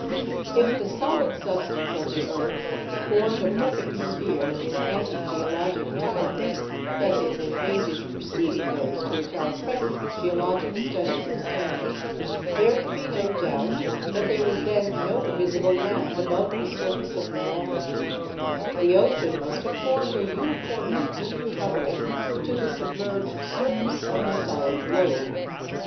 If the solid substance of the earth formed a perfect sphere in ante geologic times—that is, in ages preceding those to which our present geologic studies extend—there can be no doubt that there was then no visible land above the surface of the water; the ocean must have formed a uniformly deep covering to the submerged surface of the solid globe.